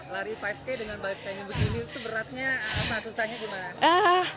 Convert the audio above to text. lari lima k dengan balik kayaknya begini itu beratnya susahnya gimana